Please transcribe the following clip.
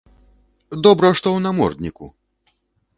Добра, што ў намордніку.